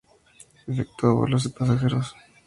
Efectúa vuelos de pasajeros.